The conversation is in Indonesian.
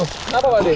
kenapa pak de